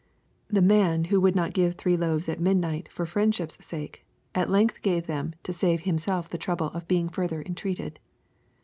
The man^who would not give three loaves at midnight for friendship's sake, at length gave them to save himself the trouble of being further entreated.